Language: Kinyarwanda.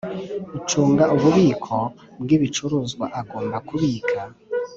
Ucunga ububiko bw ibicuruzwa agomba kubika